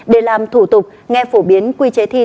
để làm thủ tục nghe phổ biến quy chế thi